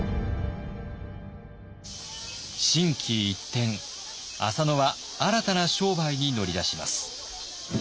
心機一転浅野は新たな商売に乗り出します。